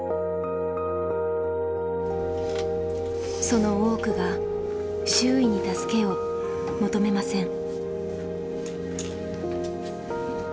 その多くが周囲に助けを求めません。